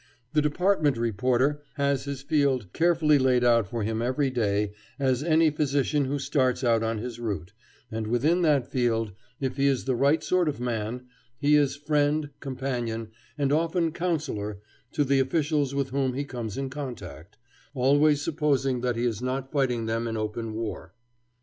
The department reporter has his field as carefully laid out for him every day as any physician who starts out on his route, and within that field, if he is the right sort of man, he is friend, companion, and often counsellor to the officials with whom he comes in contact always supposing that he is not fighting them in open war.